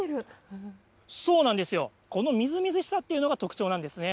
このみずみずしさというのが、特徴なんですね。